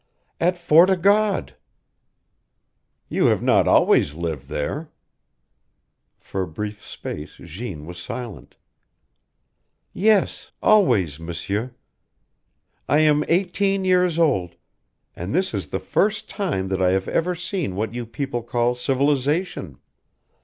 "At Fort o' God." "You have not always lived there?" For a brief space Jeanne was silent. "Yes, always, M'sieur. I am eighteen years old, and this is the first time that I have ever seen what you people call civilization.